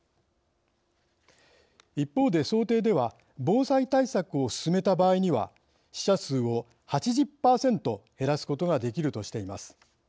一方で想定では防災対策を進めた場合には死者数を８０％減らすことができるとしています。